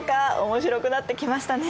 面白くなってきましたね！